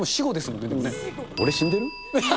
俺、死んでる？